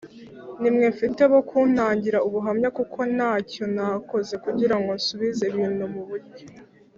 Nimwe mfite bo kuntangira ubuhamya kuko ntacyo ntakoze kugira ngo nsubize ibintu mu buryo